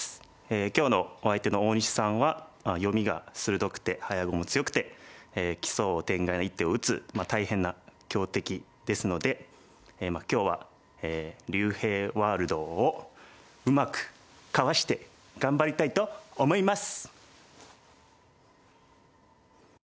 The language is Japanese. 今日のお相手の大西さんは読みが鋭くて早碁も強くて奇想天外な一手を打つ大変な強敵ですので今日は竜平ワールドをうまくかわして頑張りたいと思います！